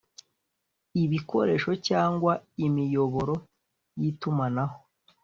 Ibikoresho cyangwa imiyoboro y itumanaho